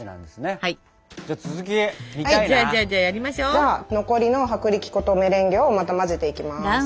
じゃあ残りの薄力粉とメレンゲをまた混ぜていきます。